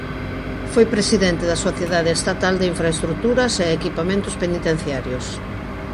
Foi Presidente da Sociedade Estatal de Infraestruturas e Equipamentos Penitenciarios.